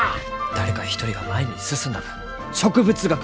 誰か一人が前に進んだ分植物学も前に進む！